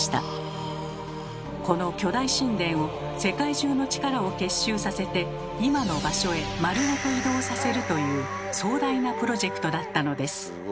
この巨大神殿を世界中の力を結集させて今の場所へ丸ごと移動させるという壮大なプロジェクトだったのです。